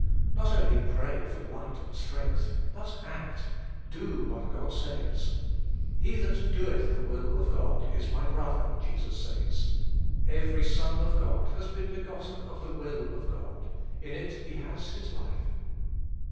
Not only pray for light and strength, but act; do what God says. ' He that doeth the will of God is my brother,' Jesus says. Every son of God has been begotten of the will of God : in it he has his life.